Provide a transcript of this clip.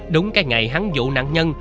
đúng cái ngày hắn dụ nạn nhân